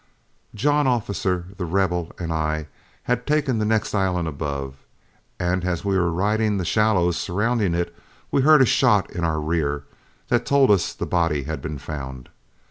John Officer, The Rebel, and I had taken the next island above, and as we were riding the shallows surrounding it we heard a shot in our rear that told us the body had been found.